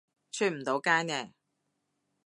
出唔到街呢